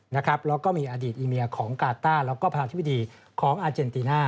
แล้วก็มีอดีตอีเมียของกาต้าแล้วก็ประธานาธิบดีของอาเจนติน่า